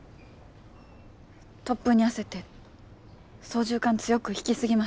突風に焦って操縦かん強く引き過ぎました。